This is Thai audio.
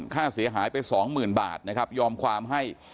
ค่าเสียหายไปสองหมื่นบาทนะครับยอมความให้